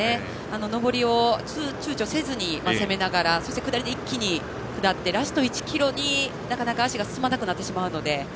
上りをちゅうちょせずに攻めながら、そして下りで一気に下ってラスト１ｋｍになかなか足が進まなくなるので。